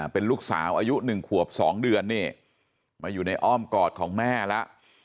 เป็นลูกสาวอายุ๑ขวบ๒เดือนนี่มาอยู่ในอ้อมกอดของแม่แล้ว